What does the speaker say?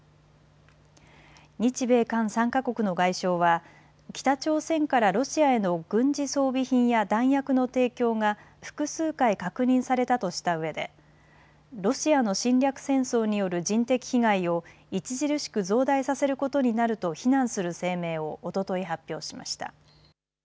日米韓３か国の外相は北朝鮮からロシアへの軍事装備品や弾薬の提供が複数回確認されたとしたうえでロシアの侵略戦争による人的被害を著しく増大させることになると非難する声明をおととい発表しました。